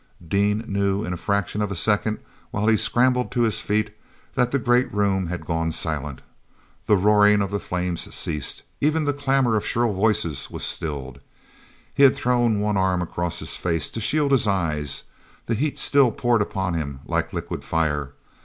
ean knew in the fraction of a second while he scrambled to his feet, that the great room had gone silent. The roaring of the flames ceased; even the clamor of shrill voices was stilled. He had thrown one arm across his face to shield his eyes; the heat still poured upon him like liquid fire.